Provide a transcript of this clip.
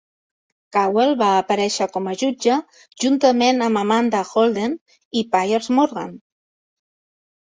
Cowell va aparèixer com a jutge juntament amb Amanda Holden i Piers Morgan.